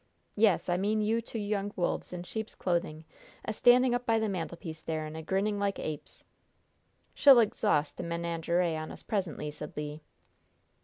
Yes, I mean you two young wolves in sheep's clothing, a standing up by the mantelpiece there and a grinning like apes!" "She'll exhaust the menagerie on us presently," said Le.